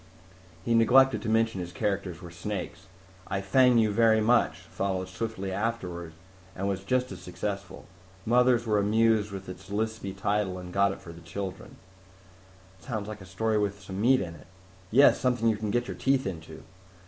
He neglected to mention his characters were snakes. I Fang You Very Much followed swiftly afterward and was just as successful. Mothers were amused with its lispy title and got it for the children." "Sounds like a story with some meat in it." "Yes! Something you can get your teeth into.